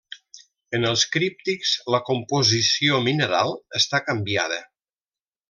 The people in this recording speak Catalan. En els críptics la composició mineral està canviada.